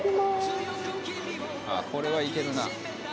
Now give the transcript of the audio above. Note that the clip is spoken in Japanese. あっこれは行けるな。